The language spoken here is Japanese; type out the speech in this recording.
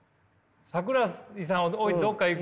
桜井さんを置いてどこか行く？